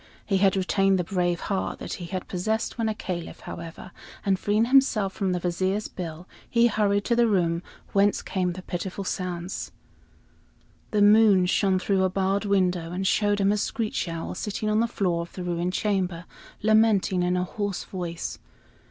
He had retained the brave heart that he had possessed when a Caliph, however, and freeing himself from the Vizier's bill, he hurried to the room whence came the pitiful sounds. The moon shone through a barred window and showed him a screech owl sitting on the floor of the ruined chamber, lamenting in a hoarse voice.